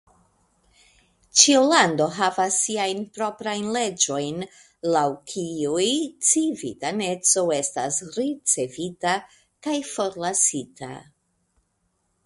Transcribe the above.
Ĉiu lando havas siajn proprajn leĝojn laŭ kiuj civitaneco estas ricevita kaj forlasita.